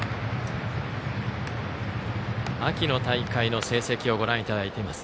秋の大会の成績をご覧いただいています。